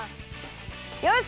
よし！